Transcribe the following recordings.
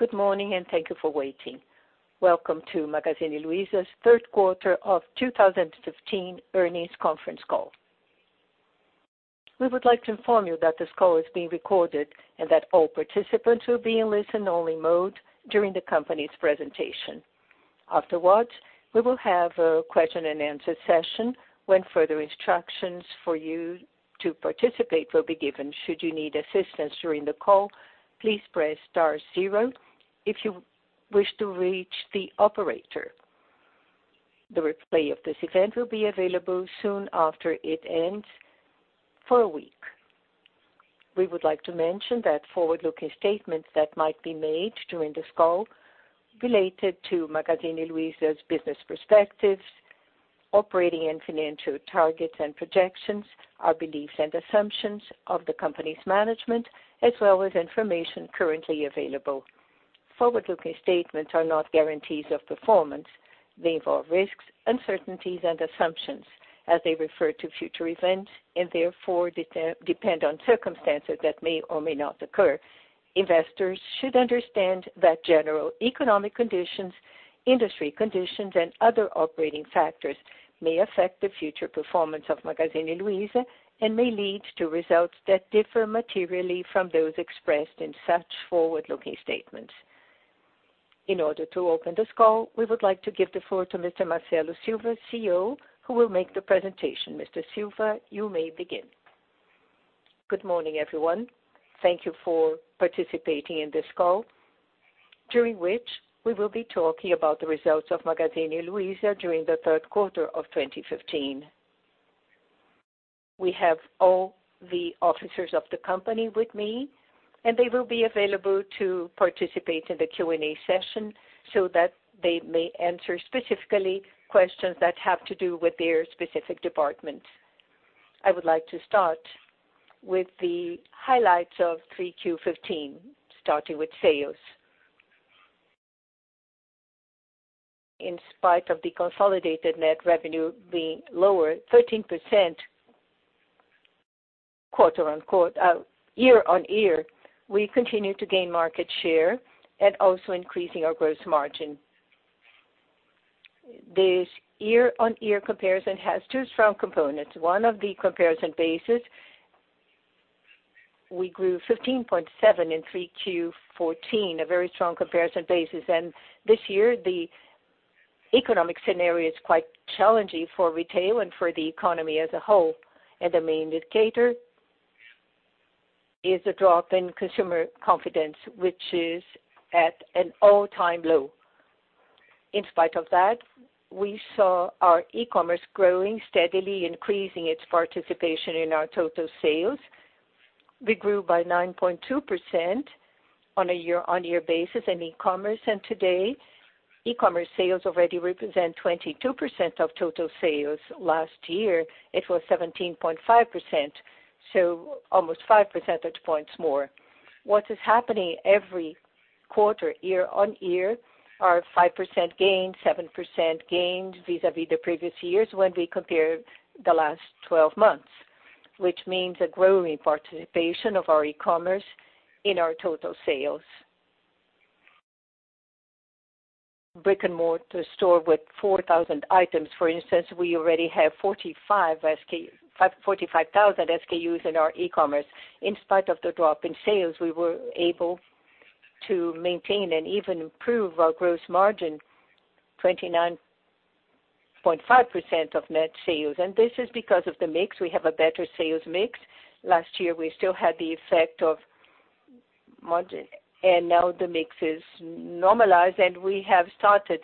Good morning, thank you for waiting. Welcome to Magazine Luiza's third quarter of 2015 earnings conference call. We would like to inform you that this call is being recorded and that all participants will be in listen-only mode during the company's presentation. Afterwards, we will have a question and answer session when further instructions for you to participate will be given. Should you need assistance during the call, please press star zero if you wish to reach the operator. The replay of this event will be available soon after it ends for a week. We would like to mention that forward-looking statements that might be made during this call related to Magazine Luiza's business perspectives, operating and financial targets and projections, our beliefs and assumptions of the company's management, as well as information currently available. Forward-looking statements are not guarantees of performance. They involve risks, uncertainties, and assumptions as they refer to future events, and therefore depend on circumstances that may or may not occur. Investors should understand that general economic conditions, industry conditions, and other operating factors may affect the future performance of Magazine Luiza and may lead to results that differ materially from those expressed in such forward-looking statements. In order to open this call, we would like to give the floor to Mr. Marcelo Silva, CEO, who will make the presentation. Mr. Silva, you may begin. Good morning, everyone. Thank you for participating in this call, during which we will be talking about the results of Magazine Luiza during the third quarter of 2015. We have all the officers of the company with me, and they will be available to participate in the Q&A session so that they may answer specifically questions that have to do with their specific department. I would like to start with the highlights of Q3 15, starting with sales. In spite of the consolidated net revenue being lower 13% year-on-year, we continue to gain market share and also increasing our gross margin. This year-on-year comparison has two strong components. One of the comparison bases, we grew 15.7% in Q3 14, a very strong comparison basis. This year, the economic scenario is quite challenging for retail and for the economy as a whole. The main indicator is a drop in consumer confidence, which is at an all-time low. In spite of that, we saw our e-commerce growing steadily, increasing its participation in our total sales. We grew by 9.2% on a year-on-year basis in e-commerce, today e-commerce sales already represent 22% of total sales. Last year, it was 17.5%, so almost 5 percentage points more. What is happening every quarter, year-on-year, are 5% gains, 7% gains vis-à-vis the previous years when we compare the last 12 months, which means a growing participation of our e-commerce in our total sales. Brick-and-mortar store with 4,000 items, for instance, we already have 45,000 SKUs in our e-commerce. In spite of the drop in sales, we were able to maintain and even improve our gross margin, 29.5% of net sales. This is because of the mix. We have a better sales mix. Last year, we still had the effect of modern, and now the mix is normalized, and we have started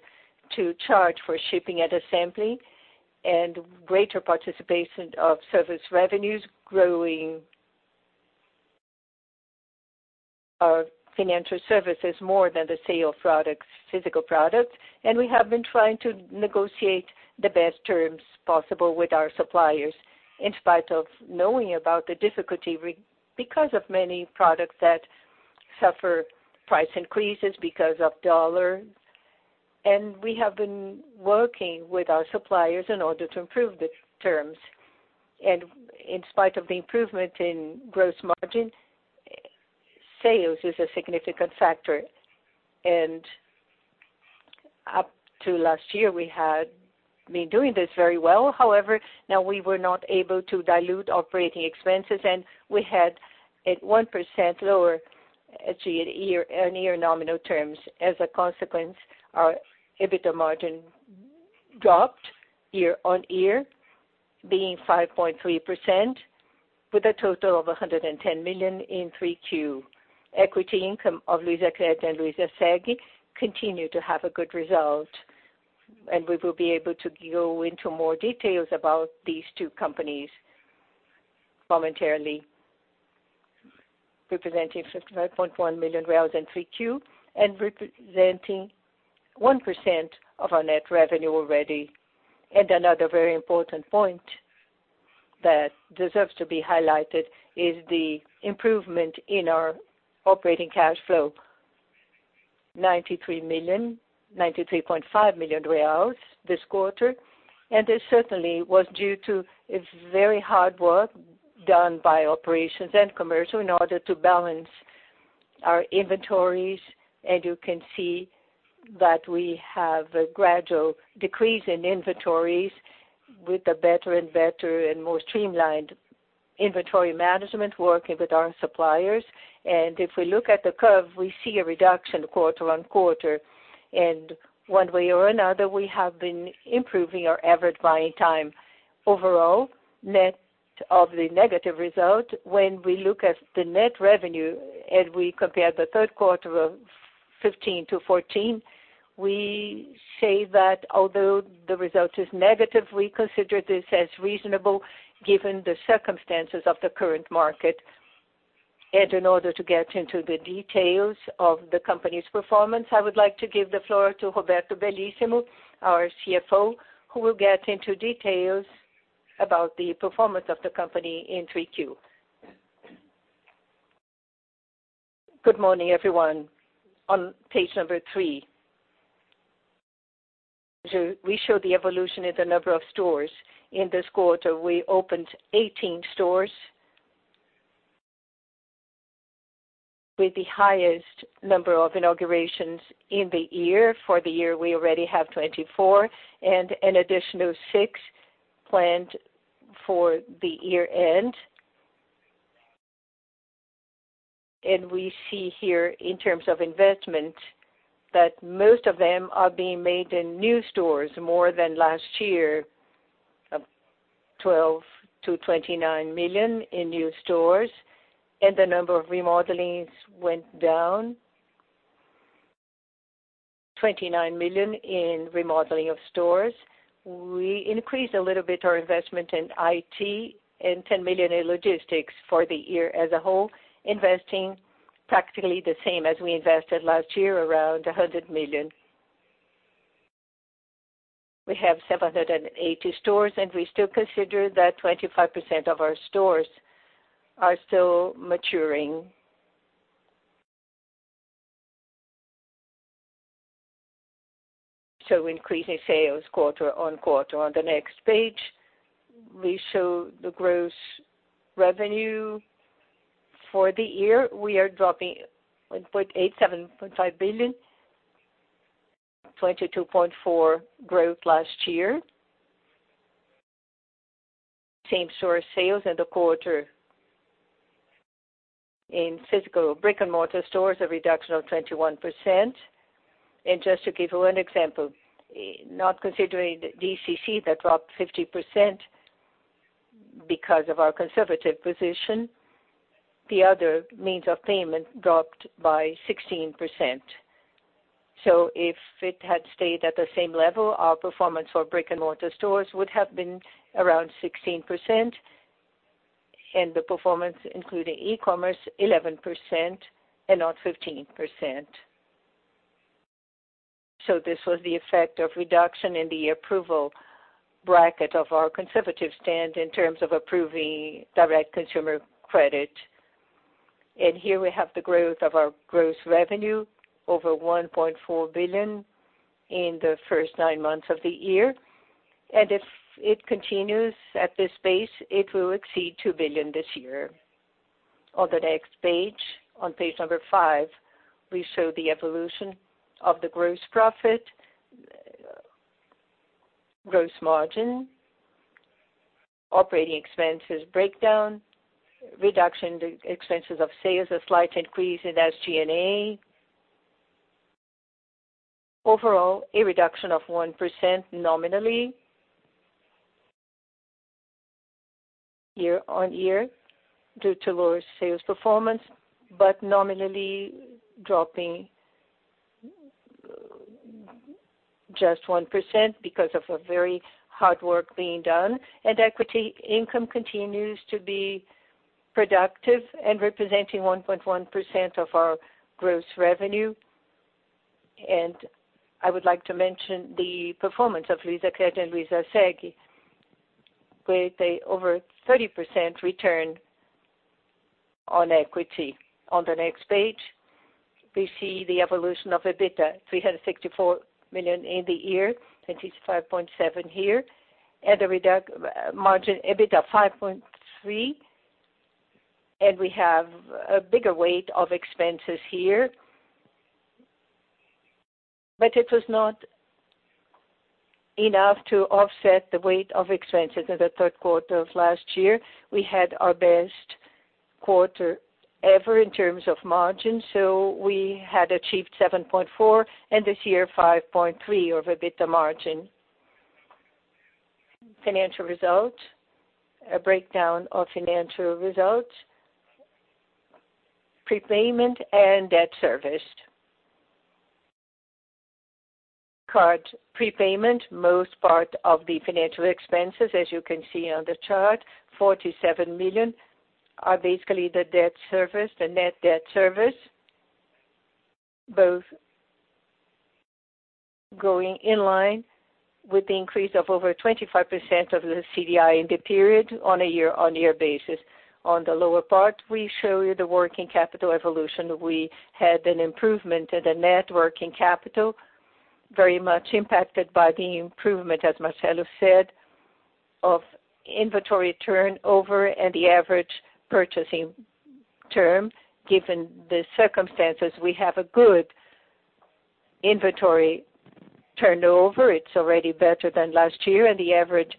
to charge for shipping and assembly and greater participation of service revenues growing our financial services more than the sale of physical products. We have been trying to negotiate the best terms possible with our suppliers, in spite of knowing about the difficulty because of many products that suffer price increases because of dollar. We have been working with our suppliers in order to improve the terms. In spite of the improvement in gross margin, sales is a significant factor. Up to last year, we had been doing this very well. However, now we were not able to dilute operating expenses, and we had a 1% lower year-on-year nominal terms. As a consequence, our EBITDA margin dropped year-on-year, being 5.3%, with a total of 110 million in Q3. Equity income of Luizacred and Luizaseg continue to have a good result, and we will be able to go into more details about these two companies momentarily. Representing BRL 55.1 million in Q3 and representing 1% of our net revenue already. Another very important point that deserves to be highlighted is the improvement in our operating cash flow 93.5 million reais this quarter. This certainly was due to a very hard work done by operations and commercial in order to balance our inventories. You can see that we have a gradual decrease in inventories with a better and better and more streamlined inventory management working with our suppliers. If we look at the curve, we see a reduction quarter-on-quarter. One way or another, we have been improving our average buying time. Overall, net of the negative result, when we look at the net revenue and we compare the third quarter of 2015 to 2014, we say that although the result is negative, we consider this as reasonable given the circumstances of the current market. In order to get into the details of the company's performance, I would like to give the floor to Roberto Bellissimo, our CFO, who will get into details about the performance of the company in 3Q. Good morning, everyone. On page number three, we show the evolution in the number of stores. In this quarter, we opened 18 stores, with the highest number of inaugurations in the year. For the year, we already have 24, and an additional six planned for the year-end. We see here, in terms of investment, that most of them are being made in new stores, more than last year, of 12 million to 29 million in new stores, and the number of remodelings went down 29 million in remodeling of stores. We increased a little bit our investment in IT and 10 million in logistics for the year as a whole, investing practically the same as we invested last year, around 100 million. We have 780 stores, and we still consider that 25% of our stores are still maturing. So increasing sales quarter-on-quarter. On the next page, we show the gross revenue for the year. We are dropping 1.875 billion, 22.4% growth last year. Same-store sales in the quarter in physical brick-and-mortar stores, a reduction of 21%. Just to give you an example, not considering DCC that dropped 50% because of our conservative position, the other means of payment dropped by 16%. If it had stayed at the same level, our performance for brick-and-mortar stores would have been around 16%, and the performance including e-commerce, 11% and not 15%. This was the effect of reduction in the approval bracket of our conservative stand in terms of approving direct consumer credit. Here we have the growth of our gross revenue, over 1.4 billion in the first nine months of the year. If it continues at this pace, it will exceed 2 billion this year. On the next page, on page number five, we show the evolution of the gross profit, gross margin, operating expenses breakdown, reduction in expenses of sales, a slight increase in SG&A. Overall, a reduction of 1% nominally year-on-year due to lower sales performance, but nominally dropping just 1% because of a very hard work being done. Equity income continues to be productive and representing 1.1% of our gross revenue. I would like to mention the performance of Luizacred and Luizaseg, with a over 30% return on equity. On the next page, we see the evolution of EBITDA, 364 million in the year, 25.7%. The margin EBITDA 5.3%, and we have a bigger weight of expenses here. It was not enough to offset the weight of expenses in the third quarter of last year. We had our best quarter ever in terms of margin, we had achieved 7.4%, and this year 5.3% of EBITDA margin. Financial results, a breakdown of financial results, prepayment, and debt serviced. Card prepayment, most part of the financial expenses, as you can see on the chart, 47 million are basically the net debt service, both growing in line with the increase of over 25% of the CDI in the period on a year-on-year basis. On the lower part, we show you the working capital evolution. We had an improvement in the net working capital, very much impacted by the improvement, as Marcelo said, of inventory turnover and the average purchasing term. Given the circumstances, we have a good inventory turnover. It's already better than last year, and the average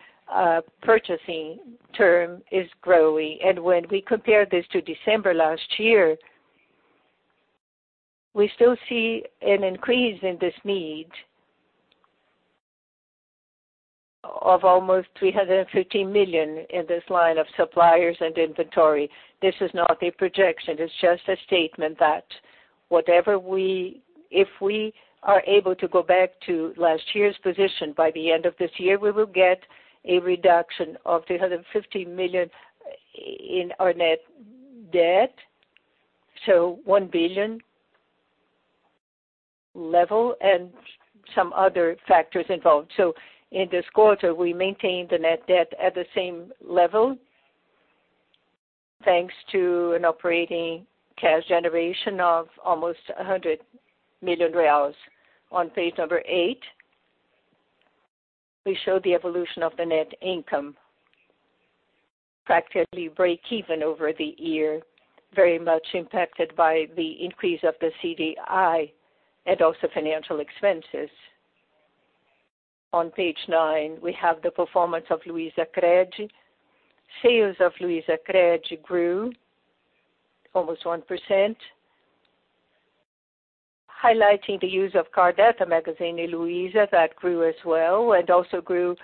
purchasing term is growing. When we compare this to December last year, we still see an increase in this need of almost 315 million in this line of suppliers and inventory. This is not a projection. It's just a statement that if we are able to go back to last year's position by the end of this year, we will get a reduction of 315 million in our net debt, 1 billion level and some other factors involved. In this quarter, we maintained the net debt at the same level, thanks to an operating cash generation of almost 100 million reais. On page number eight, we show the evolution of the net income. Practically break even over the year, very much impacted by the increase of the CDI and also financial expenses. On page nine, we have the performance of Luizacred. Sales of Luizacred grew almost 1%, highlighting the use of card at Magazine Luiza that grew as well, and also grew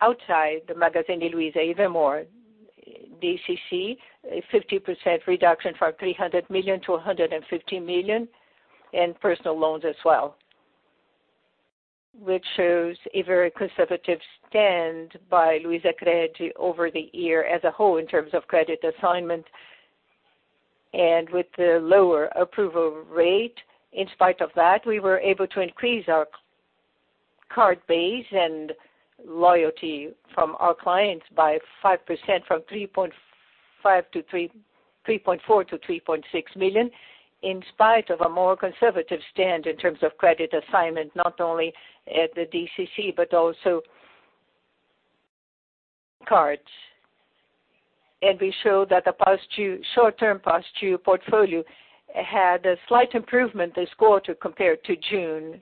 outside Magazine Luiza even more. DCC, a 50% reduction from 300 million to 150 million, and personal loans as well, which shows a very conservative stand by Luizacred over the year as a whole in terms of credit assignment and with the lower approval rate. In spite of that, we were able to increase our card base and loyalty from our clients by 5%, from 3.4 million to 3.6 million, in spite of a more conservative stand in terms of credit assignment, not only at the DCC, but also cards. We show that the short-term past due portfolio had a slight improvement this quarter compared to June.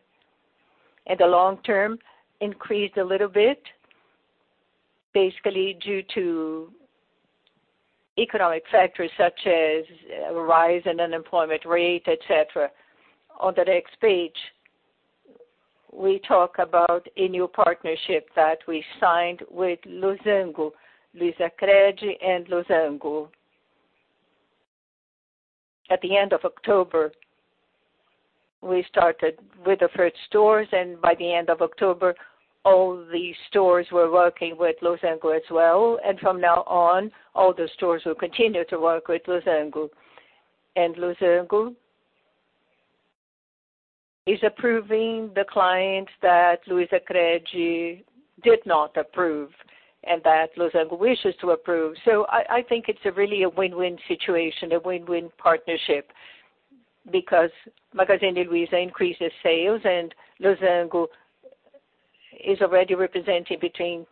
The long term increased a little bit, basically due to economic factors such as a rise in unemployment rate, et cetera. On the next page, we talk about a new partnership that we signed with Losango, Luizacred and Losango. At the end of October, we started with the 1st stores, by the end of October, all the stores were working with Losango as well. From now on, all the stores will continue to work with Losango. Losango is approving the clients that Luizacred did not approve and that Losango wishes to approve. I think it's a really a win-win situation, a win-win partnership because Magazine Luiza increases sales and Losango is already representing between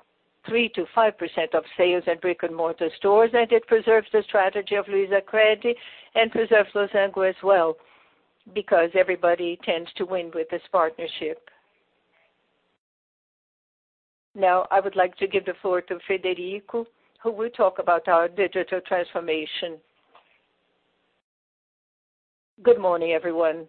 3% to 5% of sales at brick-and-mortar stores, it preserves the strategy of Luizacred and preserves Losango as well, because everybody tends to win with this partnership. Now, I would like to give the floor to Frederico, who will talk about our digital transformation. Good morning, everyone.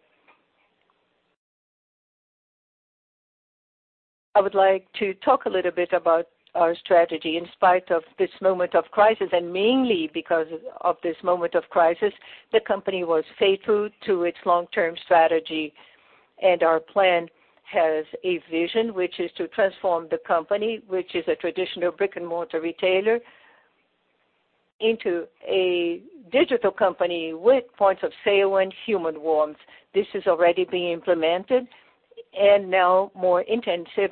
I would like to talk a little bit about our strategy. In spite of this moment of crisis, mainly because of this moment of crisis, the company was faithful to its long-term strategy, our plan has a vision, which is to transform the company, which is a traditional brick-and-mortar retailer, into a digital company with points of sale and human warmth. This is already being implemented and now more intensive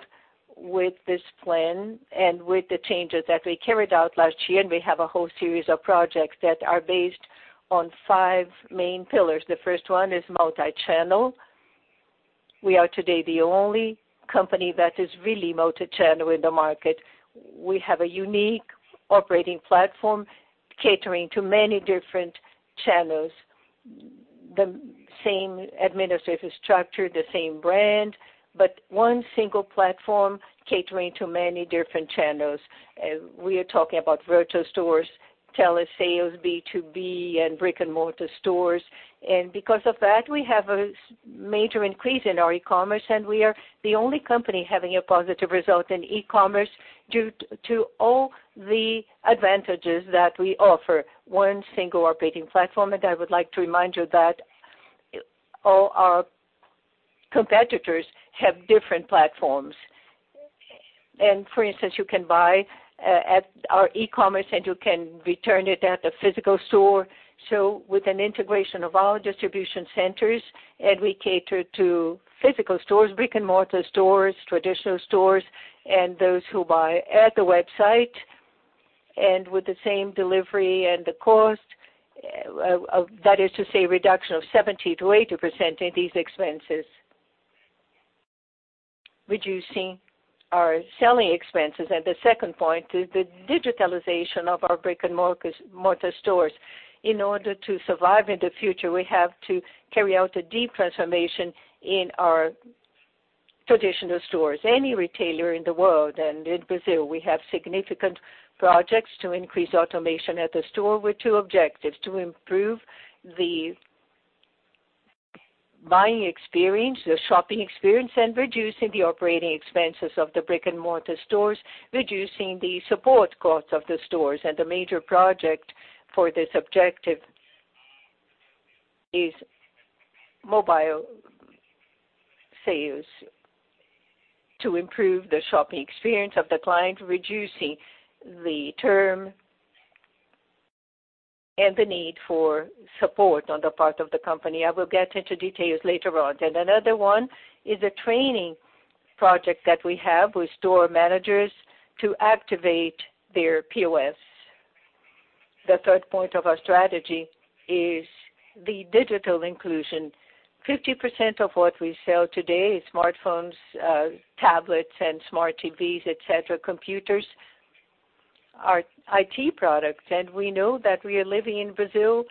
with this plan and with the changes that we carried out last year. We have a whole series of projects that are based on 5 main pillars. The 1st one is multi-channel. We are today the only company that is really multi-channel in the market. We have a unique operating platform catering to many different channels. The same administrative structure, the same brand, but one single platform catering to many different channels. We are talking about virtual stores, telesales, B2B, brick-and-mortar stores. Because of that, we have a major increase in our e-commerce, we are the only company having a positive result in e-commerce due to all the advantages that we offer. One single operating platform, I would like to remind you that all our competitors have different platforms. For instance, you can buy at our e-commerce, you can return it at the physical store. With an integration of our distribution centers, we cater to physical stores, brick-and-mortar stores, traditional stores, those who buy at the website, with the same delivery and the cost, that is to say, reduction of 70% to 80% in these expenses, reducing our selling expenses. The 2nd point is the digitalization of our brick-and-mortar stores. In order to survive in the future, we have to carry out a deep transformation in our traditional stores. Any retailer in the world in Brazil, we have significant projects to increase automation at the store with two objectives, to improve the buying experience, the shopping experience, and reducing the operating expenses of the brick-and-mortar stores, reducing the support costs of the stores. The major project for this objective is mobile sales to improve the shopping experience of the client, reducing the term and the need for support on the part of the company. I will get into details later on. Another one is a training project that we have with store managers to activate their POS. The third point of our strategy is the digital inclusion. 50% of what we sell today is smartphones, tablets, and smart TVs, et cetera. Computers are IT products, we know that we are living in Brazil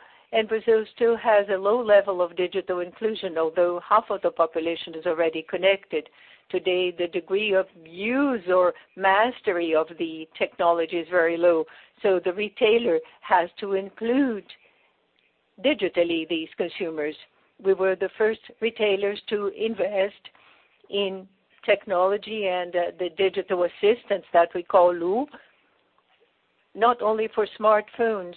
still has a low level of digital inclusion, although half of the population is already connected. Today, the degree of use or mastery of the technology is very low. The retailer has to include digitally these consumers. We were the first retailers to invest in technology and the digital assistants that we call Lu, not only for smartphones,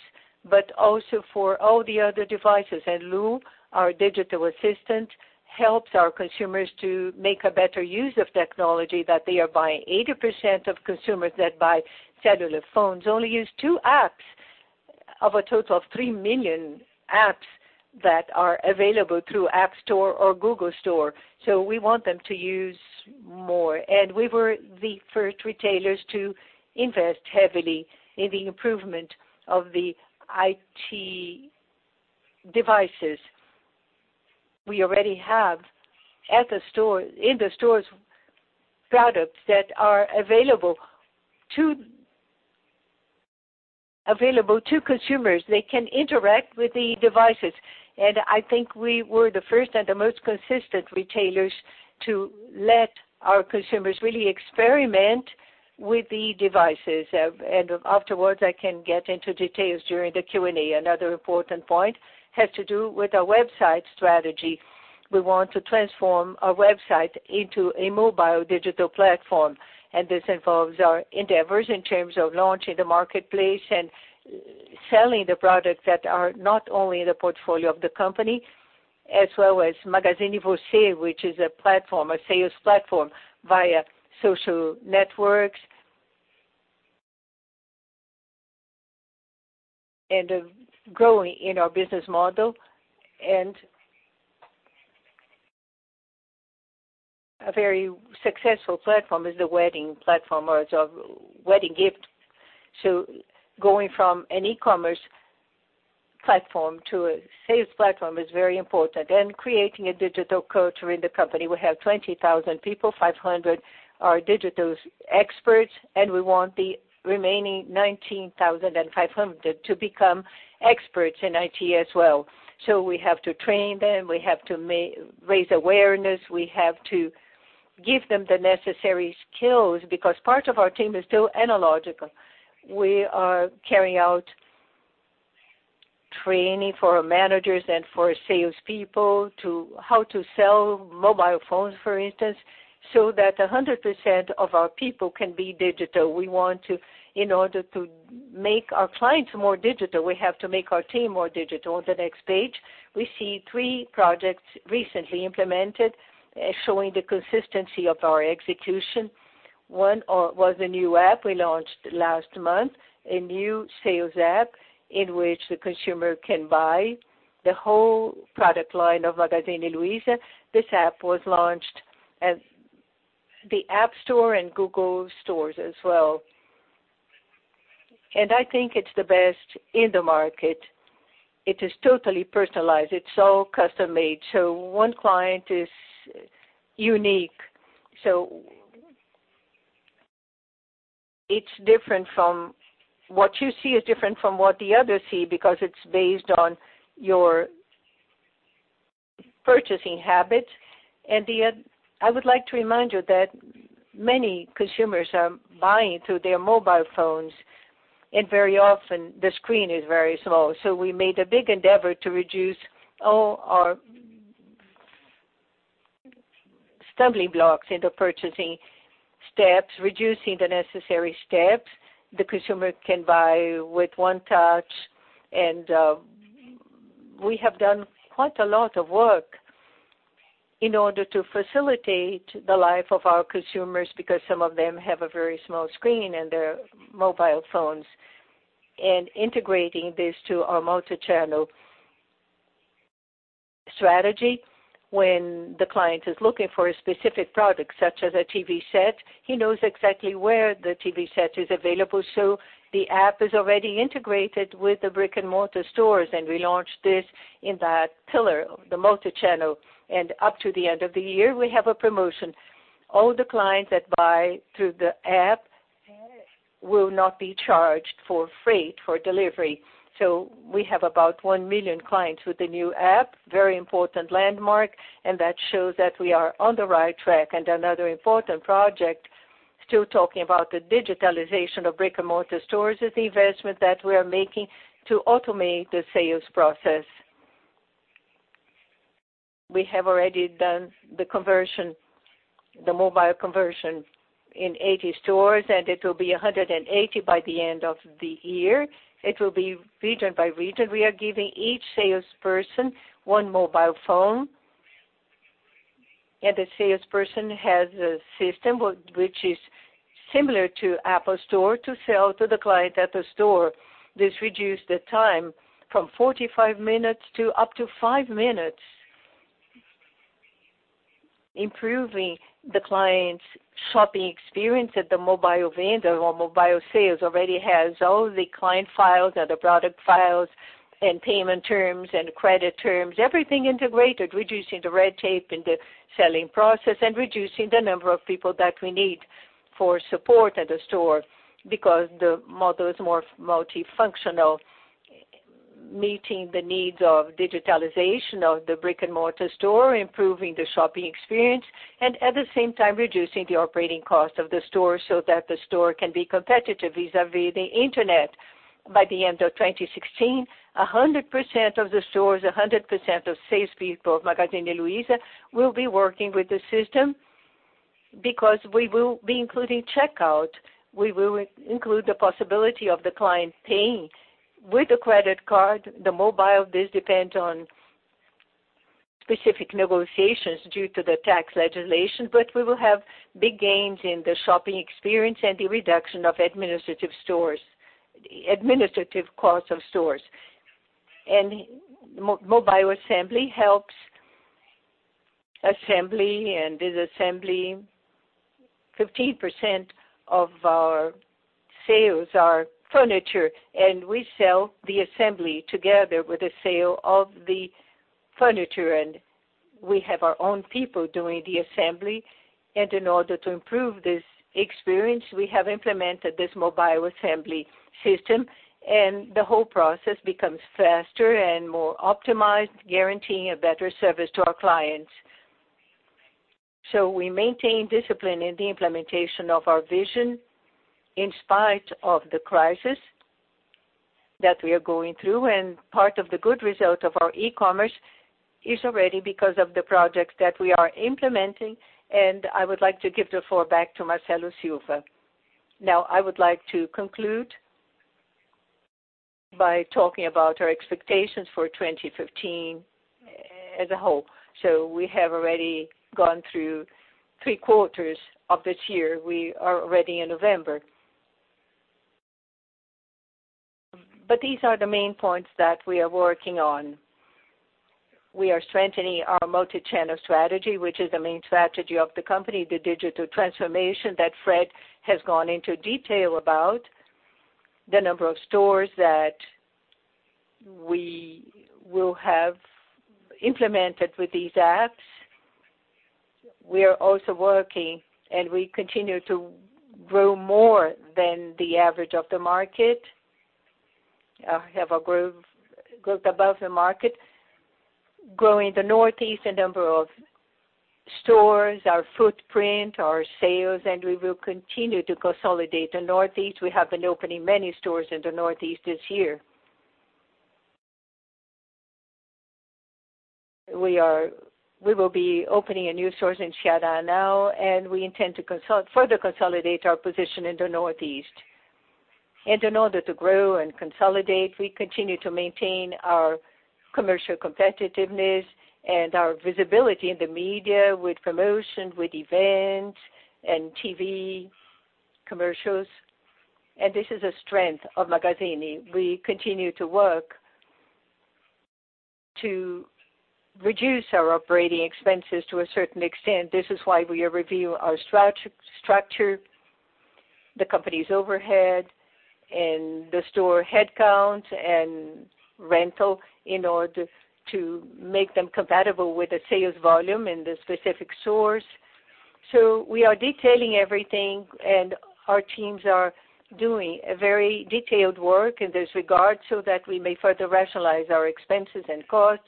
but also for all the other devices. Lu, our digital assistant, helps our consumers to make a better use of technology that they are buying. 80% of consumers that buy cellular phones only use two apps of a total of 3 million apps that are available through App Store or Google Play Store. We want them to use more. We were the first retailers to invest heavily in the improvement of the IT devices. We already have in the stores products that are available to consumers. They can interact with the devices. I think we were the first and the most consistent retailers to let our consumers really experiment with the devices. Afterwards, I can get into details during the Q&A. Another important point has to do with our website strategy. We want to transform our website into a mobile digital platform, and this involves our endeavors in terms of launching the marketplace and selling the products that are not only in the portfolio of the company, as well as Magazine Você, which is a platform, a sales platform via social networks and growing in our business model. A very successful platform is the wedding platform or the wedding gift. Going from an e-commerce platform to a sales platform is very important. Creating a digital culture in the company. We have 20,000 people, 500 are digital experts, we want the remaining 19,500 to become experts in IT as well. We have to train them, we have to raise awareness, we have to give them the necessary skills because part of our team is still analogical. We are carrying out training for managers and for salespeople to how to sell mobile phones, for instance, so that 100% of our people can be digital. In order to make our clients more digital, we have to make our team more digital. On the next page, we see three projects recently implemented, showing the consistency of our execution. One was a new app we launched last month, a new sales app in which the consumer can buy the whole product line of Magazine Luiza. This app was launched at the App Store and Google Play Store as well. I think it's the best in the market. It is totally personalized. It's all custom-made. One client is unique. What you see is different from what the others see because it's based on your purchasing habits. I would like to remind you that many consumers are buying through their mobile phones, and very often the screen is very small. We made a big endeavor to reduce all our stumbling blocks in the purchasing steps, reducing the necessary steps. The consumer can buy with one touch. We have done quite a lot of work in order to facilitate the life of our consumers, because some of them have a very small screen in their mobile phones. Integrating this to our multi-channel strategy, when the client is looking for a specific product, such as a TV set, he knows exactly where the TV set is available. The app is already integrated with the brick-and-mortar stores, and we launched this in that pillar, the multi-channel. Up to the end of the year, we have a promotion. All the clients that buy through the app will not be charged for freight, for delivery. We have about 1 million clients with the new app. Very important landmark, and that shows that we are on the right track. Another important project, still talking about the digitalization of brick-and-mortar stores, is the investment that we are making to automate the sales process. We have already done the mobile conversion in 80 stores, and it will be 180 by the end of the year. It will be region by region. We are giving each salesperson 1 mobile phone, and the salesperson has a system, which is similar to Apple Store, to sell to the client at the store. This reduced the time from 45 minutes to up to 5 minutes, improving the client's shopping experience at the mobile vendor, or mobile sales. It already has all the client files and the product files and payment terms and credit terms, everything integrated, reducing the red tape in the selling process and reducing the number of people that we need for support at the store, because the model is more multifunctional, meeting the needs of digitalization of the brick-and-mortar store, improving the shopping experience, and at the same time reducing the operating cost of the store so that the store can be competitive vis-à-vis the internet. By the end of 2016, 100% of the stores, 100% of salespeople of Magazine Luiza will be working with the system, because we will be including checkout. We will include the possibility of the client paying with a credit card. The mobile, this depends on specific negotiations due to the tax legislation. We will have big gains in the shopping experience and the reduction of administrative costs of stores. Mobile assembly helps assembly and disassembly. 15% of our sales are furniture, and we sell the assembly together with the sale of the furniture, and we have our own people doing the assembly. In order to improve this experience, we have implemented this mobile assembly system, and the whole process becomes faster and more optimized, guaranteeing a better service to our clients. We maintain discipline in the implementation of our vision, in spite of the crisis that we are going through. Part of the good result of our e-commerce is already because of the projects that we are implementing, and I would like to give the floor back to Marcelo Silva. I would like to conclude by talking about our expectations for 2015 as a whole. We have already gone through three quarters of this year. We are already in November. These are the main points that we are working on. We are strengthening our multi-channel strategy, which is the main strategy of the company, the digital transformation that Fred has gone into detail about. The number of stores that we will have implemented with these apps. We are also working, and we continue to grow more than the average of the market, have a growth above the market. Growing the Northeast, the number of stores, our footprint, our sales, and we will continue to consolidate the Northeast. We have been opening many stores in the Northeast this year. We will be opening a new store in Ceará now, and we intend to further consolidate our position in the Northeast. In order to grow and consolidate, we continue to maintain our commercial competitiveness and our visibility in the media with promotion, with events and TV commercials. This is a strength of Magazine. We continue to work to reduce our operating expenses to a certain extent. This is why we review our structure, the company's overhead, and the store headcount and rental in order to make them compatible with the sales volume in the specific stores. We are detailing everything, and our teams are doing a very detailed work in this regard so that we may further rationalize our expenses and costs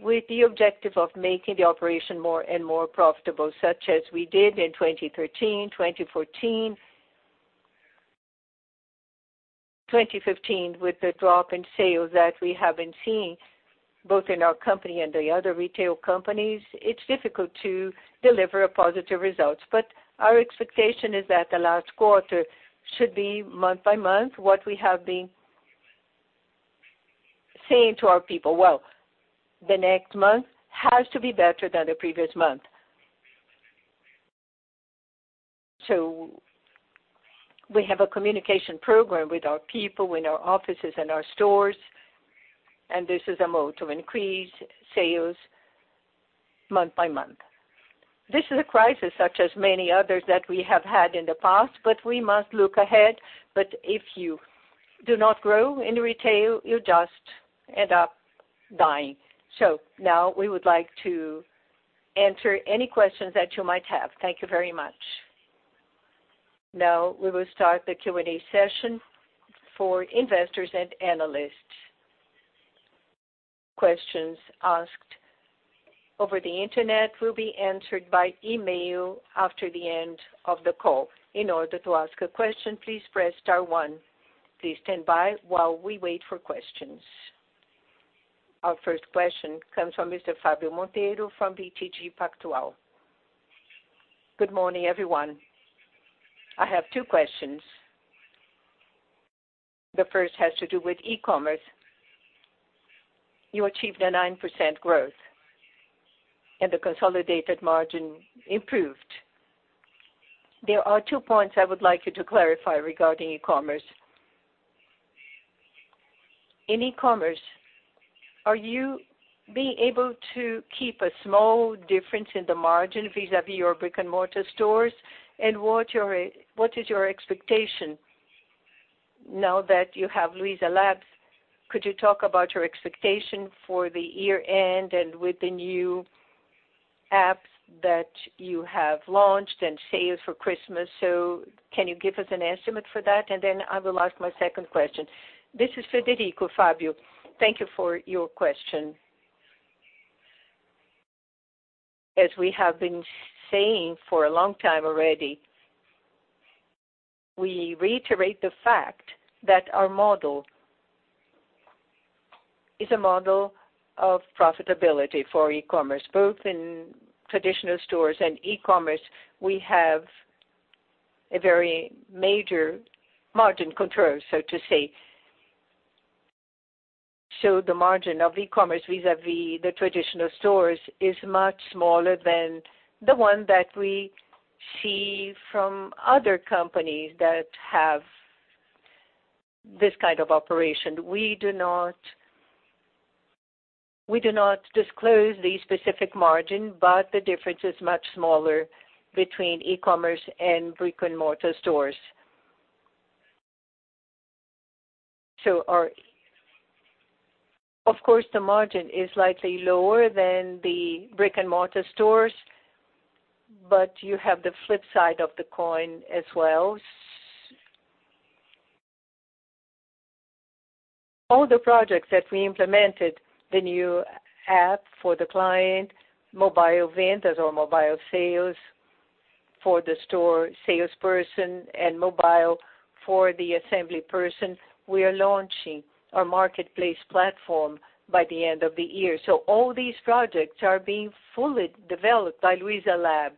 with the objective of making the operation more and more profitable, such as we did in 2013, 2014, 2015, with the drop in sales that we have been seeing. Both in our company and the other retail companies, it's difficult to deliver positive results. Our expectation is that the last quarter should be month by month what we have been saying to our people. Well, the next month has to be better than the previous month. We have a communication program with our people in our offices and our stores, and this is a mode to increase sales month by month. This is a crisis such as many others that we have had in the past, but we must look ahead. If you do not grow in retail, you just end up dying. Now we would like to answer any questions that you might have. Thank you very much. We will start the Q&A session for investors and analysts. Questions asked over the Internet will be answered by email after the end of the call. In order to ask a question, please press star one. Please stand by while we wait for questions. Our first question comes from Mr. Fabio Monteiro from BTG Pactual. Good morning, everyone. I have two questions. The first has to do with e-commerce. You achieved a 9% growth and the consolidated margin improved. There are two points I would like you to clarify regarding e-commerce. In e-commerce, are you being able to keep a small difference in the margin vis-a-vis your brick-and-mortar stores? What is your expectation now that you have Luiza Labs? Could you talk about your expectation for the year-end and with the new apps that you have launched and sales for Christmas? Can you give us an estimate for that? I will ask my second question. This is Frederico. Fabio, thank you for your question. As we have been saying for a long time already, we reiterate the fact that our model is a model of profitability for e-commerce. Both in traditional stores and e-commerce, we have a very major margin control, so to say. The margin of e-commerce vis-a-vis the traditional stores is much smaller than the one that we see from other companies that have this kind of operation. We do not disclose the specific margin, but the difference is much smaller between e-commerce and brick-and-mortar stores. Of course, the margin is slightly lower than the brick-and-mortar stores, but you have the flip side of the coin as well. All the projects that we implemented, the new app for the client, mobile vendors or mobile sales for the store salesperson, and mobile for the assembly person, we are launching our marketplace platform by the end of the year. All these projects are being fully developed by Luiza Labs.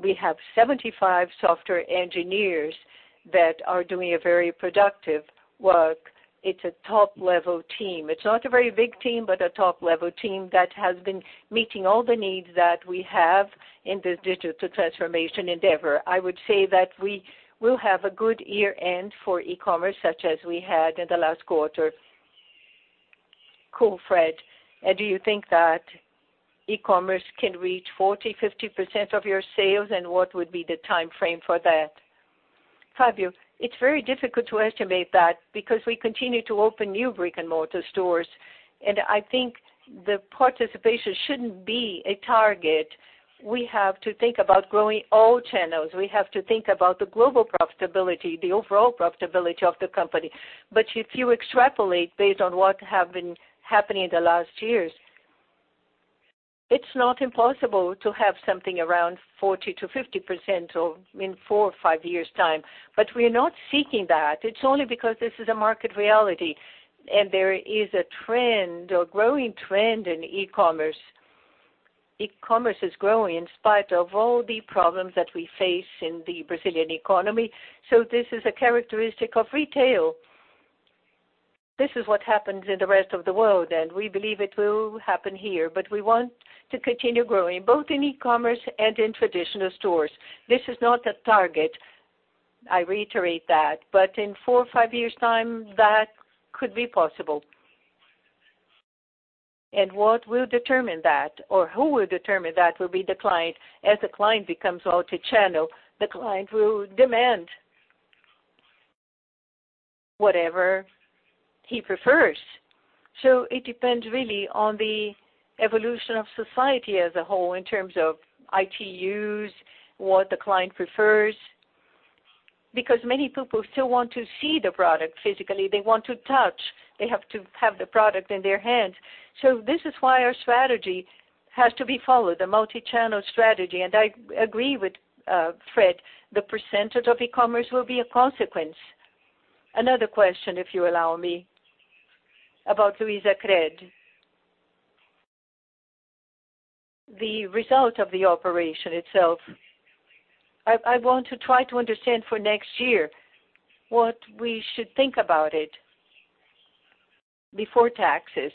We have 75 software engineers that are doing very productive work. It's a top-level team. It's not a very big team, but a top-level team that has been meeting all the needs that we have in this digital transformation endeavor. I would say that we will have a good year-end for e-commerce, such as we had in the last quarter. Cool, Fred. Do you think that e-commerce can reach 40%, 50% of your sales? What would be the timeframe for that? Fabio, it's very difficult to estimate that because we continue to open new brick-and-mortar stores. I think the participation shouldn't be a target. We have to think about growing all channels. We have to think about the global profitability, the overall profitability of the company. If you extrapolate based on what have been happening in the last years, it's not impossible to have something around 40%-50% in four or five years' time. We're not seeking that. It's only because this is a market reality, and there is a growing trend in e-commerce. E-commerce is growing in spite of all the problems that we face in the Brazilian economy. This is a characteristic of retail. This is what happens in the rest of the world, and we believe it will happen here. We want to continue growing, both in e-commerce and in traditional stores. This is not a target, I reiterate that, but in four or five years' time, that could be possible. What will determine that, or who will determine that will be the client. As the client becomes omnichannel, the client will demand whatever he prefers. It depends really on the evolution of society as a whole in terms of IT use, what the client prefers, because many people still want to see the product physically. They want to touch. They have to have the product in their hands. This is why our strategy has to be followed, the multi-channel strategy. I agree with Fred, the percentage of e-commerce will be a consequence. Another question, if you allow me, about Luizacred. The result of the operation itself. I want to try to understand for next year what we should think about it before taxes.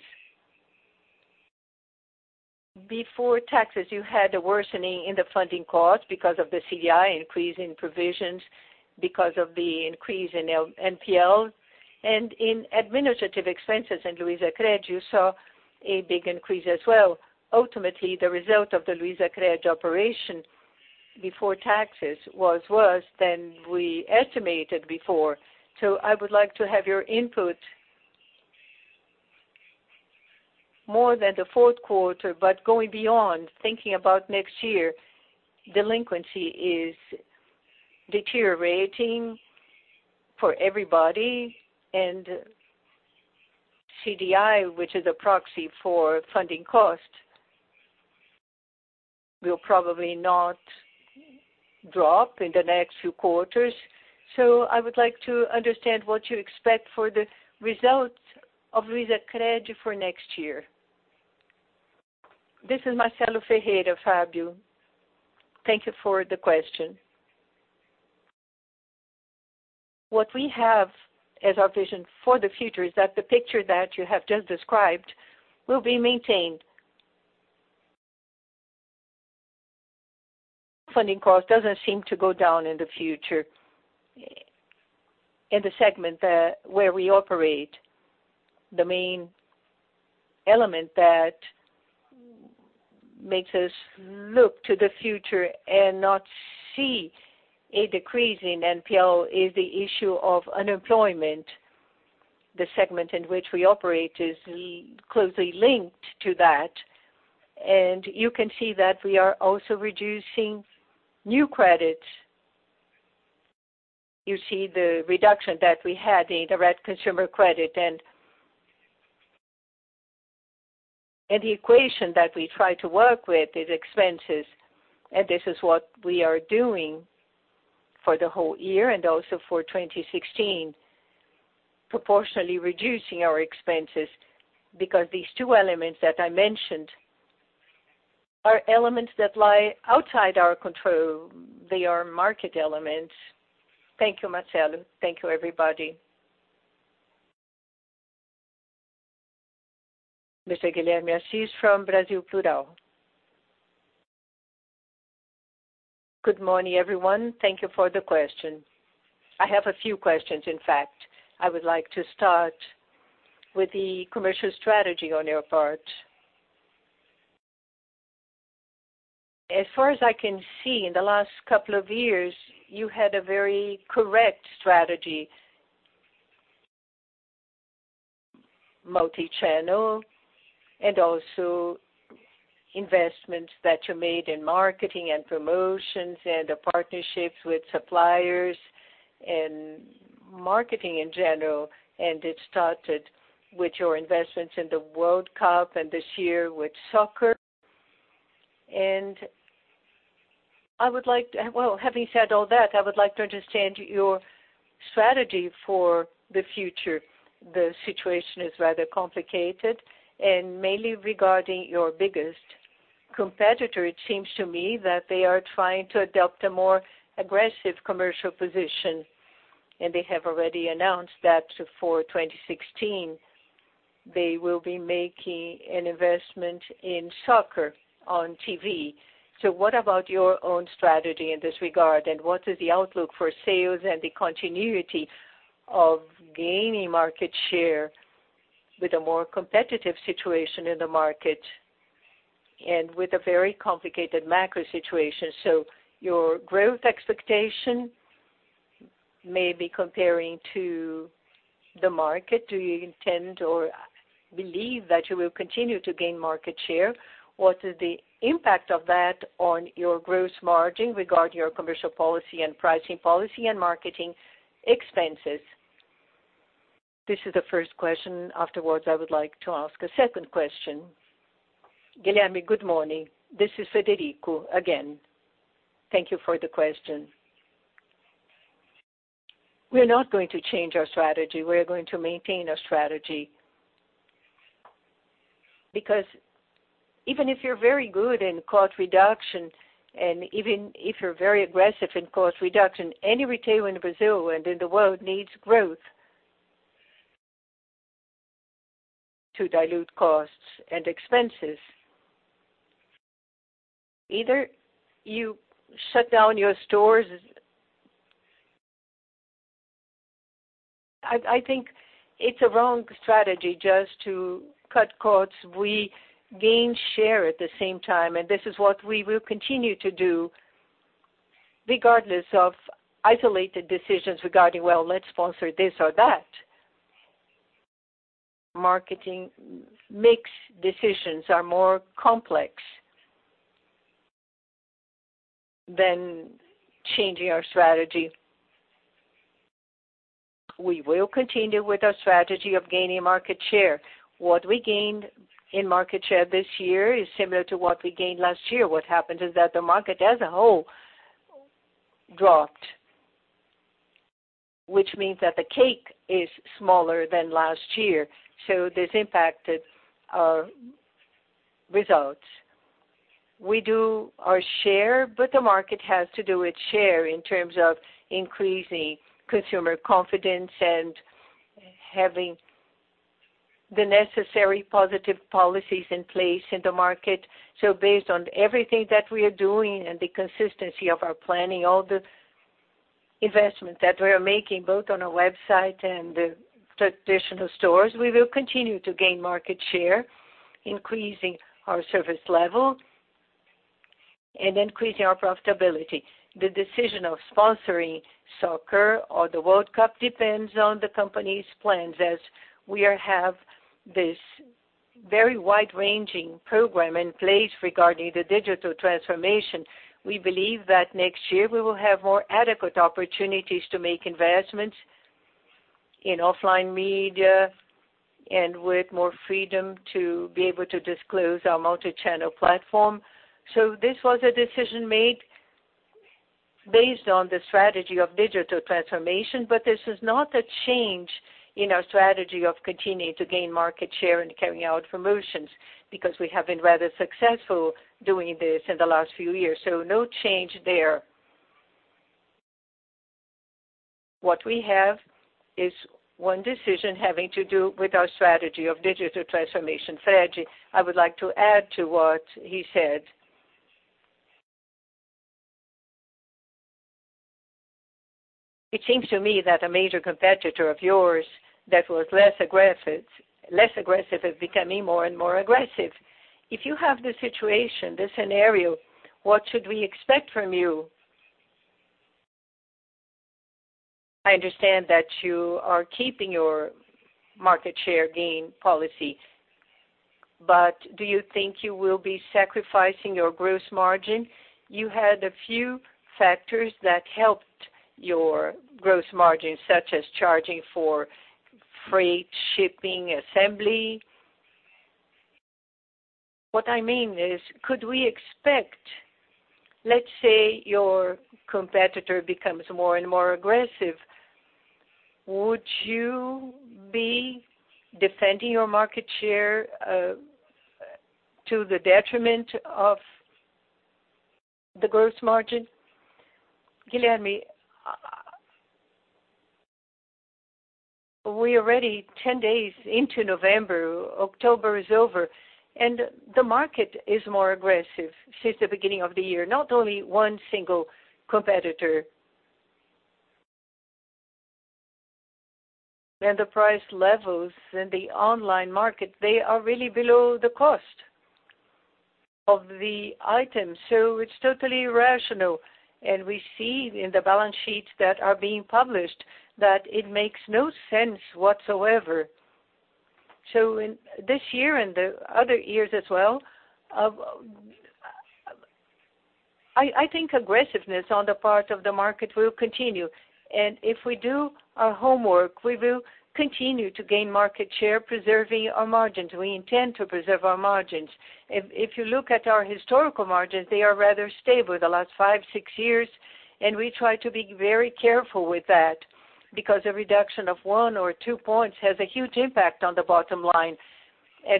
Before taxes, you had a worsening in the funding cost because of the CDI increase in provisions because of the increase in NPL. In administrative expenses in Luizacred, you saw a big increase as well. Ultimately, the result of the Luizacred operation before taxes was worse than we estimated before. I would like to have your input more than the fourth quarter but going beyond, thinking about next year, delinquency is deteriorating for everybody and CDI, which is a proxy for funding cost, will probably not drop in the next few quarters. I would like to understand what you expect for the results of Luizacred for next year. This is Marcelo Ferreira, Fabio. Thank you for the question. What we have as our vision for the future is that the picture that you have just described will be maintained. Funding cost doesn't seem to go down in the future in the segment where we operate. The main element that makes us look to the future and not see a decrease in NPL is the issue of unemployment. The segment in which we operate is closely linked to that, and you can see that we are also reducing new credit. You see the reduction that we had in direct consumer credit and the equation that we try to work with is expenses, and this is what we are doing for the whole year and also for 2016, proportionally reducing our expenses because these two elements that I mentioned are elements that lie outside our control. They are market elements. Thank you, Marcelo. Thank you, everybody. Mr. Guilherme Assis from Brasil Plural. Good morning, everyone. Thank you for the question. I have a few questions, in fact. I would like to start with the commercial strategy on your part. As far as I can see, in the last couple of years, you had a very correct strategy, multi-channel, and also investments that you made in marketing and promotions and the partnerships with suppliers and marketing in general, and it started with your investments in the World Cup and this year with soccer. Having said all that, I would like to understand your strategy for the future. The situation is rather complicated and mainly regarding your biggest competitor, it seems to me that they are trying to adopt a more aggressive commercial position, and they have already announced that for 2016, they will be making an investment in soccer on TV. What about your own strategy in this regard, and what is the outlook for sales and the continuity of gaining market share with a more competitive situation in the market and with a very complicated macro situation? Your growth expectation may be comparing to the market. Do you intend or believe that you will continue to gain market share? What is the impact of that on your gross margin regarding your commercial policy and pricing policy and marketing expenses? This is the first question. Afterwards, I would like to ask a second question. Guilherme, good morning. This is Frederico again. Thank you for the question. We're not going to change our strategy. We are going to maintain our strategy. Because even if you're very good in cost reduction, and even if you're very aggressive in cost reduction, any retailer in Brazil and in the world needs growth to dilute costs and expenses. Either you shut down your stores, I think it's a wrong strategy just to cut costs. We gain share at the same time. This is what we will continue to do regardless of isolated decisions regarding, "Well, let's sponsor this or that." Marketing mix decisions are more complex than changing our strategy. We will continue with our strategy of gaining market share. What we gained in market share this year is similar to what we gained last year. What happened is that the market as a whole dropped, which means that the cake is smaller than last year. This impacted our results. We do our share. The market has to do its share in terms of increasing consumer confidence and having the necessary positive policies in place in the market. Based on everything that we are doing and the consistency of our planning, all the investments that we are making, both on our website and the traditional stores, we will continue to gain market share, increasing our service level, and increasing our profitability. The decision of sponsoring soccer or the World Cup depends on the company's plans. As we have this very wide-ranging program in place regarding the digital transformation, we believe that next year we will have more adequate opportunities to make investments in offline media and with more freedom to be able to disclose our multi-channel platform. This was a decision made based on the strategy of digital transformation, but this is not a change in our strategy of continuing to gain market share and carrying out promotions, because we have been rather successful doing this in the last few years. No change there. What we have is one decision having to do with our strategy of digital transformation strategy. I would like to add to what he said. It seems to me that a major competitor of yours that was less aggressive is becoming more and more aggressive. If you have the situation, the scenario, what should we expect from you? I understand that you are keeping your market share gain policy. Do you think you will be sacrificing your gross margin? You had a few factors that helped your gross margin, such as charging for freight, shipping, assembly. What I mean is, could we expect, let's say, your competitor becomes more and more aggressive, would you be defending your market share to the detriment of the gross margin? Guilherme. We're already 10 days into November. October is over. The market is more aggressive since the beginning of the year, not only one single competitor. The price levels in the online market, they are really below the cost of the items. It's totally irrational, and we see in the balance sheets that are being published that it makes no sense whatsoever. In this year and the other years as well, I think aggressiveness on the part of the market will continue. If we do our homework, we will continue to gain market share, preserving our margins. We intend to preserve our margins. If you look at our historical margins, they are rather stable the last five, six years, and we try to be very careful with that, because a reduction of one or two points has a huge impact on the bottom line.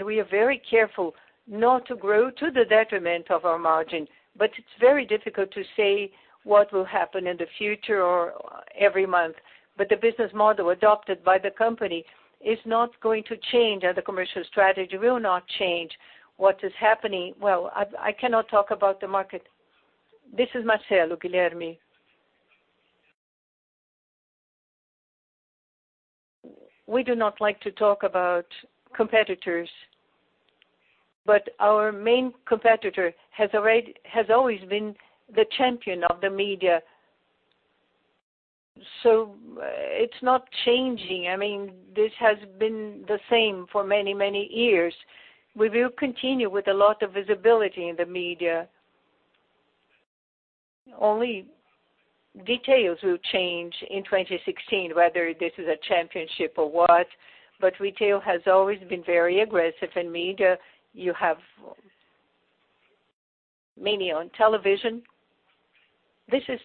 We are very careful not to grow to the detriment of our margin. It's very difficult to say what will happen in the future or every month. The business model adopted by the company is not going to change, and the commercial strategy will not change. Well, I cannot talk about the market. This is Marcelo, Guilherme. We do not like to talk about competitors. Our main competitor has always been the champion of the media. It's not changing. This has been the same for many, many years. We will continue with a lot of visibility in the media. Only details will change in 2016, whether this is a championship or what. Retail has always been very aggressive in media. You have many on television. This is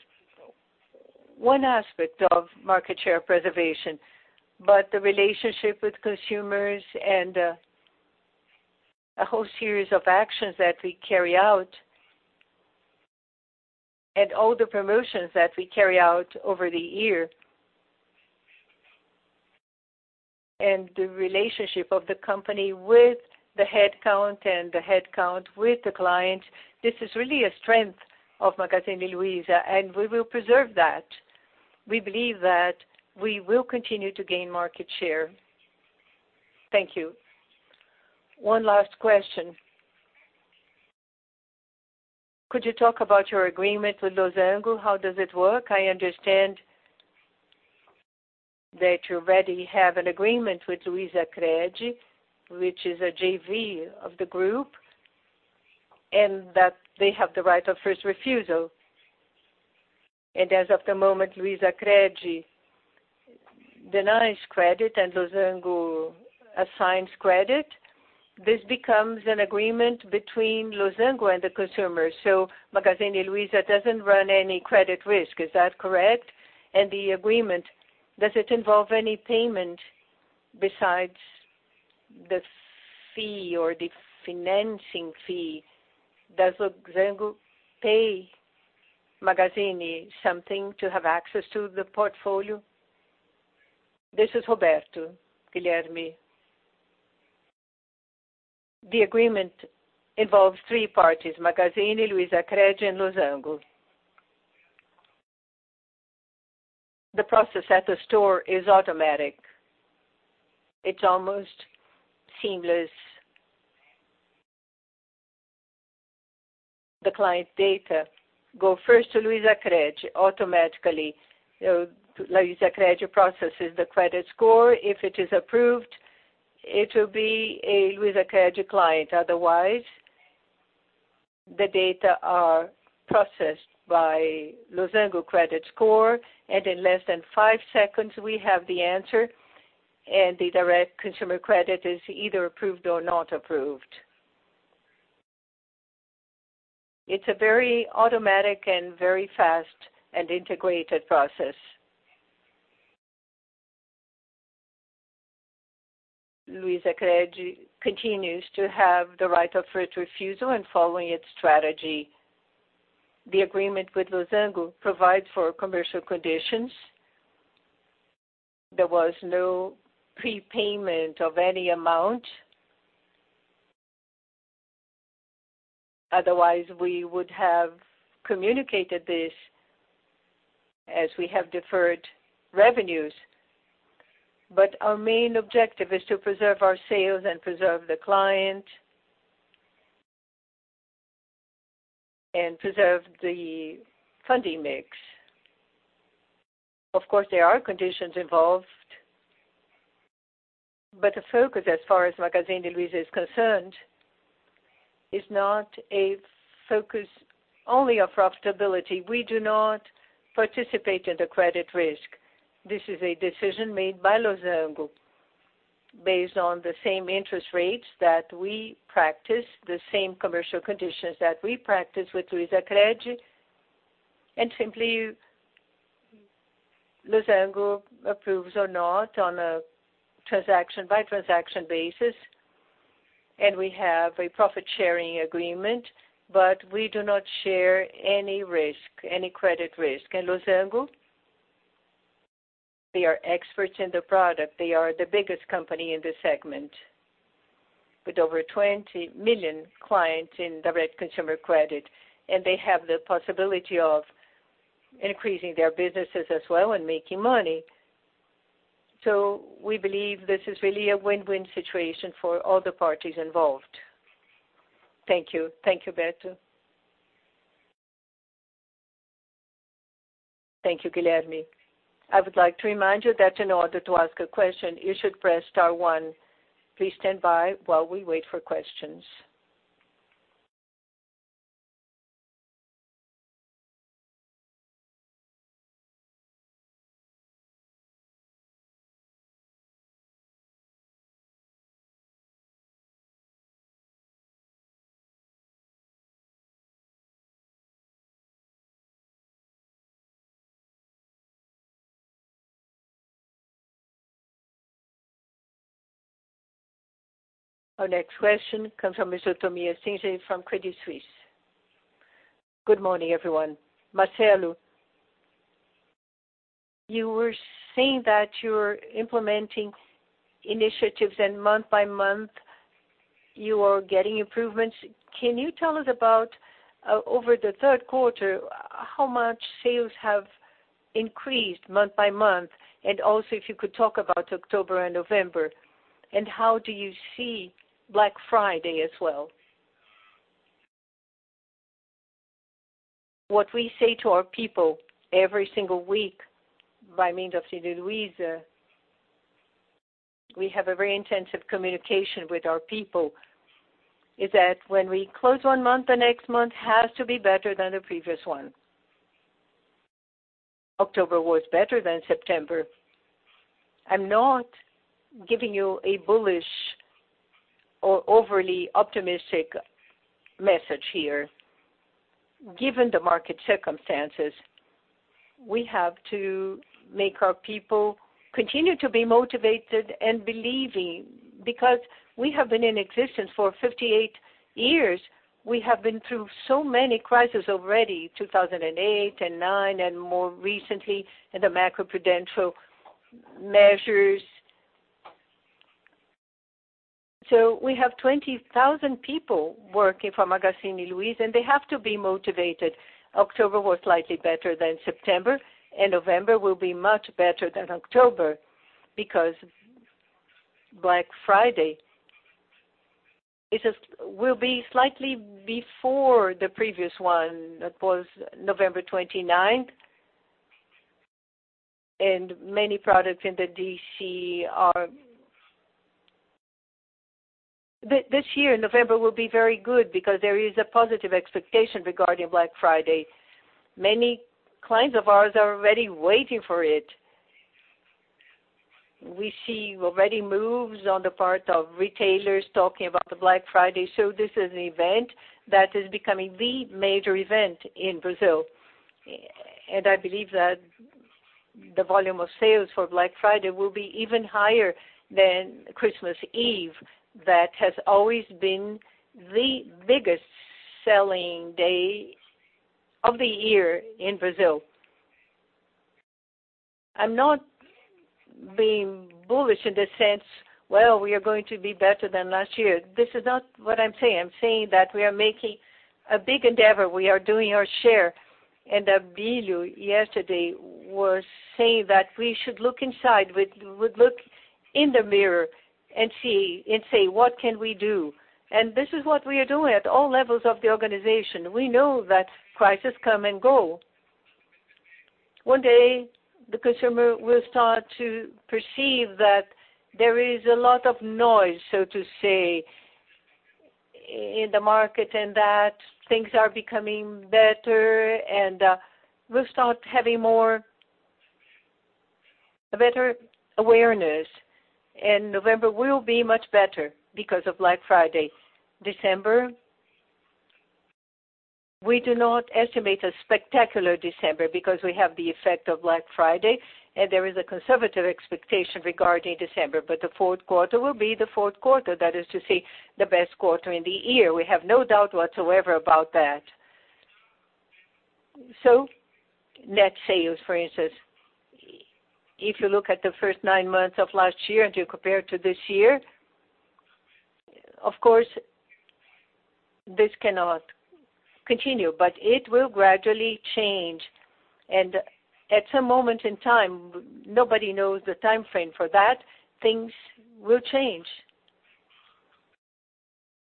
one aspect of market share preservation. The relationship with consumers and a whole series of actions that we carry out, and all the promotions that we carry out over the year, and the relationship of the company with the headcount and the headcount with the client, this is really a strength of Magazine Luiza, and we will preserve that. We believe that we will continue to gain market share. Thank you. One last question. Could you talk about your agreement with Losango? How does it work? I understand that you already have an agreement with Luizacred, which is a JV of the group, and that they have the right of first refusal. As of the moment, Luizacred denies credit and Losango assigns credit. This becomes an agreement between Losango and the consumer. Magazine Luiza doesn't run any credit risk. Is that correct? The agreement, does it involve any payment besides the fee or the financing fee? Does Losango pay Magazine something to have access to the portfolio? This is Roberto, Guilherme. The agreement involves three parties, Magazine, Luizacred, and Losango. The process at the store is automatic. It's almost seamless. The client data go first to Luizacred automatically. Luizacred processes the credit score. If it is approved, it will be a Luizacred client. Otherwise, the data are processed by Losango credit score, and in less than five seconds, we have the answer, and the direct consumer credit is either approved or not approved. It's a very automatic and very fast, and integrated process. Luizacred continues to have the right of first refusal and following its strategy. The agreement with Losango provides for commercial conditions. There was no prepayment of any amount. Otherwise, we would have communicated this as we have deferred revenues. Our main objective is to preserve our sales and preserve the client, and preserve the funding mix. Of course, there are conditions involved. The focus as far as Magazine Luiza is concerned, is not a focus only on profitability. We do not participate in the credit risk. This is a decision made by Losango based on the same interest rates that we practice, the same commercial conditions that we practice with Luizacred. Simply Losango approves or not on a transaction-by-transaction basis, and we have a profit-sharing agreement. We do not share any risk, any credit risk. Losango, they are experts in the product. They are the biggest company in the segment with over 20 million clients in direct consumer credit. They have the possibility of increasing their businesses as well and making money. We believe this is really a win-win situation for all the parties involved. Thank you. Thank you, Berto. Thank you, Guilherme. I would like to remind you that in order to ask a question, you should press star one. Please stand by while we wait for questions. Our next question comes from Mr. Tobias Stingelin from Credit Suisse. Good morning, everyone. Marcelo, you were saying that you're implementing initiatives and month by month, you are getting improvements. Can you tell us about, over the third quarter, how much sales have increased month by month? Also, if you could talk about October and November. How do you see Black Friday as well? What we say to our people every single week, by means of Sindi Luiza, we have a very intensive communication with our people, is that when we close one month, the next month has to be better than the previous one. October was better than September. I'm not giving you a bullish or overly optimistic message here. Given the market circumstances, we have to make our people continue to be motivated and believing, because we have been in existence for 58 years. We have been through so many crises already, 2008 and 2009. More recently, the macroprudential measures. We have 20,000 people working for Magazine Luiza. They have to be motivated. October was slightly better than September. November will be much better than October because Black Friday will be slightly before the previous one. That was November 29th. Many products in the DC are. This year, November will be very good because there is a positive expectation regarding Black Friday. Many clients of ours are already waiting for it. We see already moves on the part of retailers talking about the Black Friday. This is an event that is becoming the major event in Brazil. I believe that the volume of sales for Black Friday will be even higher than Christmas Eve, that has always been the biggest selling day of the year in Brazil. I'm not being bullish in the sense, well, we are going to be better than last year. This is not what I'm saying. I'm saying that we are making a big endeavor. We are doing our share. Abilio yesterday was saying that we should look inside, we look in the mirror and see and say, "What can we do?" This is what we are doing at all levels of the organization. We know that crises come and go. One day the consumer will start to perceive that there is a lot of noise, so to say, in the market, and that things are becoming better, and we'll start having a better awareness. November will be much better because of Black Friday. December, we do not estimate a spectacular December because we have the effect of Black Friday, and there is a conservative expectation regarding December. The fourth quarter will be the fourth quarter. That is to say, the best quarter in the year. We have no doubt whatsoever about that. Net sales, for instance, if you look at the first nine months of last year, and you compare to this year, of course, this cannot continue, but it will gradually change. At some moment in time, nobody knows the timeframe for that, things will change,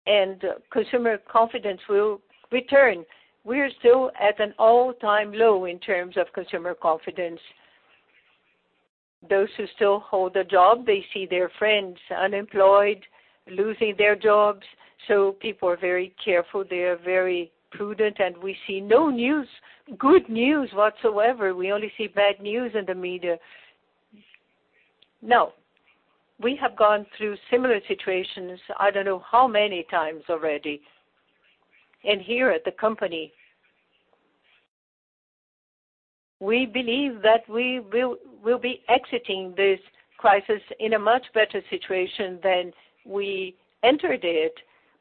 and consumer confidence will return. We are still at an all-time low in terms of consumer confidence. Those who still hold a job, they see their friends unemployed, losing their jobs. People are very careful. They are very prudent, and we see no news, good news whatsoever. We only see bad news in the media. We have gone through similar situations, I don't know how many times already. Here at the company, we believe that we will be exiting this crisis in a much better situation than we entered it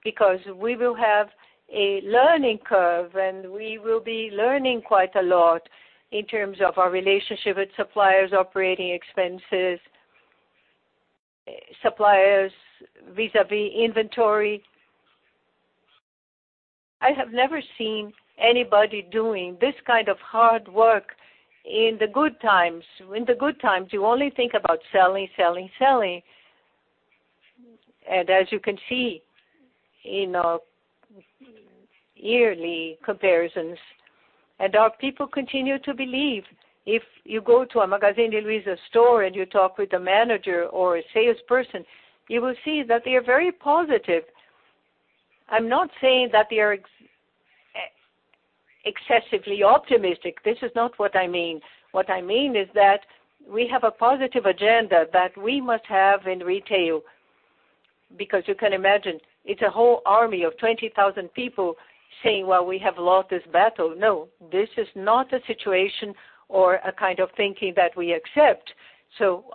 because we will have a learning curve, and we will be learning quite a lot in terms of our relationship with suppliers, operating expenses, suppliers vis-a-vis inventory. I have never seen anybody doing this kind of hard work in the good times. In the good times, you only think about selling. As you can see in our yearly comparisons, and our people continue to believe. If you go to a Magazine Luiza store and you talk with the manager or a salesperson, you will see that they are very positive. I'm not saying that they are excessively optimistic. This is not what I mean. What I mean is that we have a positive agenda that we must have in retail because you can imagine it's a whole army of 20,000 people saying, "Well, we have lost this battle." No, this is not a situation or a kind of thinking that we accept.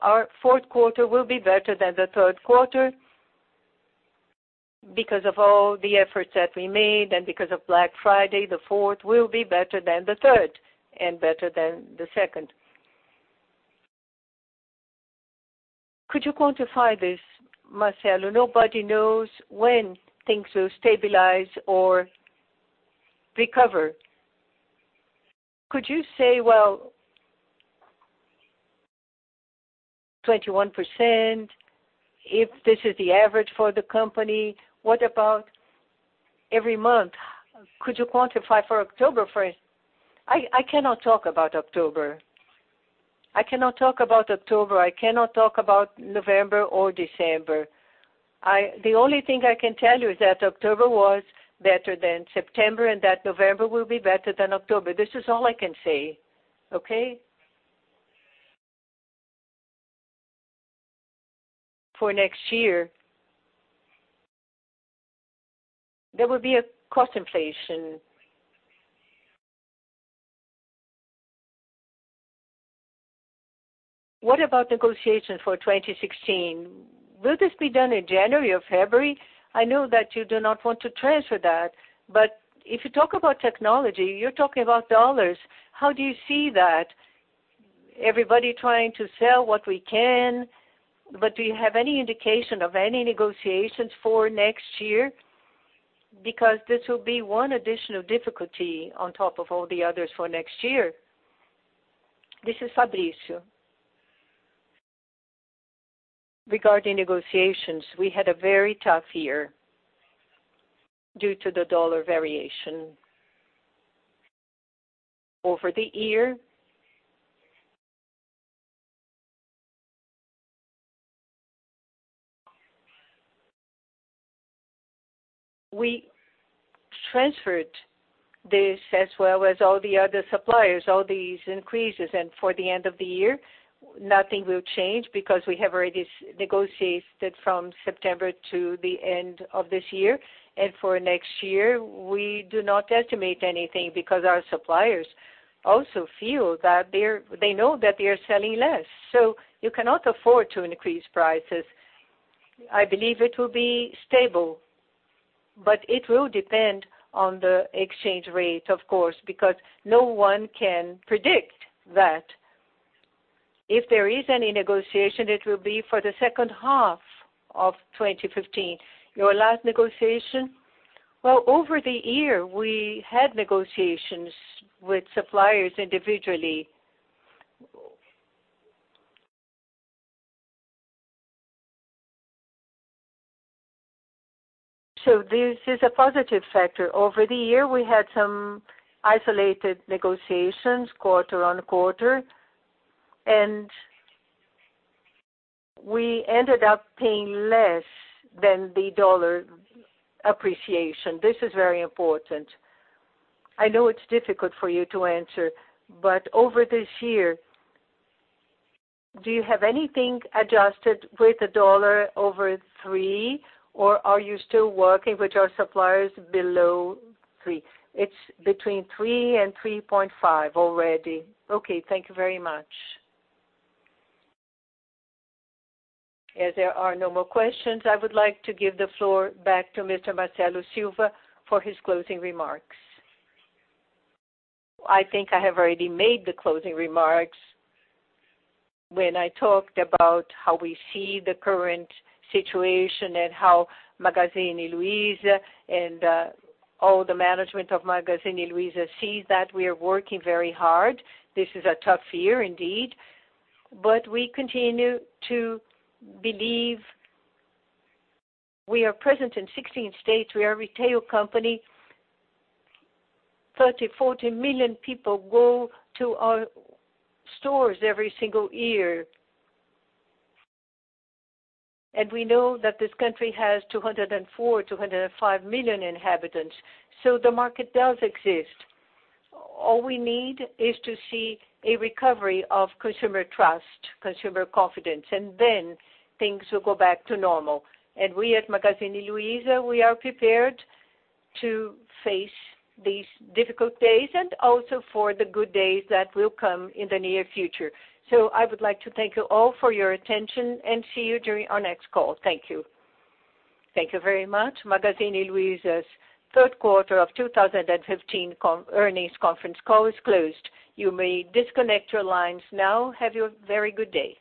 Our fourth quarter will be better than the third quarter because of all the efforts that we made and because of Black Friday. The fourth will be better than the third and better than the second. Could you quantify this, Marcelo? Nobody knows when things will stabilize or recover. Could you say, well, 21%, if this is the average for the company, what about every month? Could you quantify for October, for instance? I cannot talk about October. I cannot talk about October. I cannot talk about November or December. The only thing I can tell you is that October was better than September, and that November will be better than October. This is all I can say. Okay. For next year, there will be a cost inflation. What about negotiations for 2016? Will this be done in January or February? I know that you do not want to transfer that, but if you talk about technology, you're talking about dollars. How do you see that? Everybody trying to sell what we can, but do you have any indication of any negotiations for next year? Because this will be one additional difficulty on top of all the others for next year. This is Fabrício. Regarding negotiations, we had a very tough year due to the dollar variation. Over the year, we transferred this as well as all the other suppliers, all these increases. For the end of the year, nothing will change because we have already negotiated from September to the end of this year. For next year, we do not estimate anything because our suppliers also know that they are selling less. You cannot afford to increase prices. I believe it will be stable, but it will depend on the exchange rate, of course, because no one can predict that. If there is any negotiation, it will be for the second half of 2015. Your last negotiation? Over the year, we had negotiations with suppliers individually. This is a positive factor. Over the year, we had some isolated negotiations quarter-on-quarter, and we ended up paying less than the dollar appreciation. This is very important. I know it's difficult for you to answer. Over this year, do you have anything adjusted with the dollar over 3, or are you still working with your suppliers below 3? It's between 3 and 3.5 already. Okay. Thank you very much. As there are no more questions, I would like to give the floor back to Mr. Marcelo Silva for his closing remarks. I think I have already made the closing remarks when I talked about how we see the current situation and how Magazine Luiza and all the management of Magazine Luiza sees that we are working very hard. This is a tough year indeed, but we continue to believe. We are present in 16 states. We are a retail company. 30, 40 million people go to our stores every single year. We know that this country has 204, 205 million inhabitants. The market does exist. All we need is to see a recovery of consumer trust, consumer confidence. Things will go back to normal. We at Magazine Luiza, we are prepared to face these difficult days and also for the good days that will come in the near future. I would like to thank you all for your attention and see you during our next call. Thank you. Thank you very much. Magazine Luiza's third quarter of 2015 earnings conference call is closed. You may disconnect your lines now. Have a very good day.